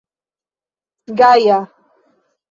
gaja